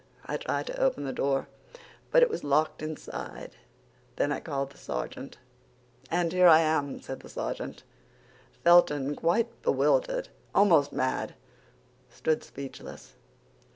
I tried to open the door, but it was locked inside; then I called the sergeant." "And here I am," said the sergeant. Felton, quite bewildered, almost mad, stood speechless.